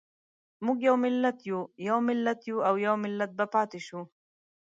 موږ یو ملت وو، یو ملت یو او يو ملت به پاتې شو.